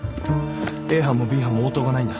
Ａ班もＢ班も応答がないんだ。